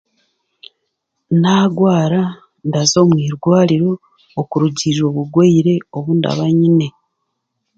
Naagwara ndaza omu irwariro okurugiirira obugwere obu ndaba nyine.